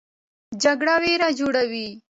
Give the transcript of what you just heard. جګړه ویر جوړوي